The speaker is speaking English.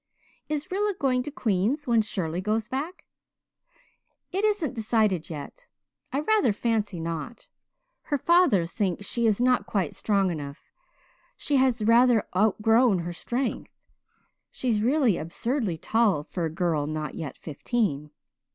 "Is Rilla going to Queen's when Shirley goes back?" "It isn't decided yet. I rather fancy not. Her father thinks she is not quite strong enough she has rather outgrown her strength she's really absurdly tall for a girl not yet fifteen.